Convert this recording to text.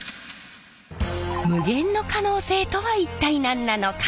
無限の可能性とは一体何なのか。